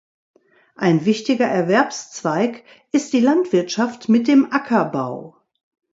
Ein wichtiger Erwerbszweig ist die Landwirtschaft mit dem Ackerbau.